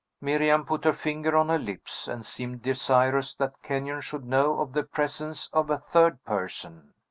Miriam put her finger on her lips, and seemed desirous that Kenyon should know of the presence of a third person.